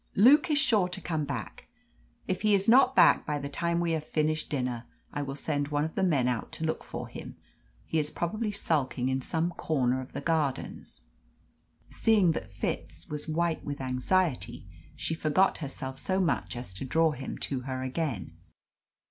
Luke is sure to come back. If he is not back by the time we have finished dinner I will send one of the men out to look for him. He is probably sulking in some corner of the gardens." Seeing that Fitz was white with anxiety, she forgot herself so much as to draw him to her again.